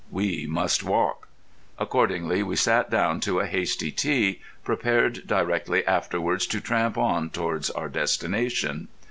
We must walk. Accordingly we sat down to a hasty tea, prepared directly afterwards to tramp on towards our destination.